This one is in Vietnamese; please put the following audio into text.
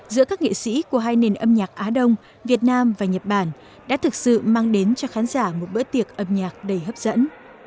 giữa các nghệ sĩ của hai nền âm nhạc á đông việt nam và nhật bản đã thực sự mang đến cho khán giả một bữa tiệc âm nhạc đầy hấp dẫn